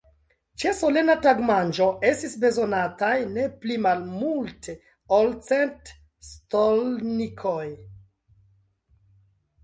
Ĉe solena tagmanĝo estis bezonataj ne pli malmulte ol cent stolnikoj.